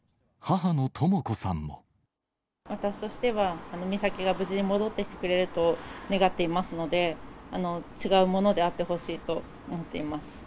私としては、美咲が無事に戻ってきてくれると願っていますので、違うものであってほしいと思っています。